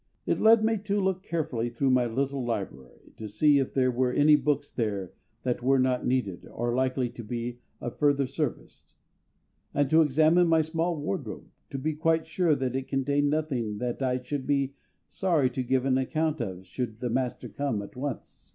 It led me to look carefully through my little library to see if there were any books there that were not needed or likely to be of further service, and to examine my small wardrobe, to be quite sure that it contained nothing that I should be sorry to give an account of should the MASTER come at once.